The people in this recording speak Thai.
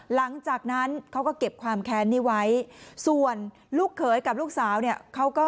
หลังจากนั้นเขาก็เก็บความแค้นนี้ไว้ส่วนลูกเขยกับลูกสาวเนี่ยเขาก็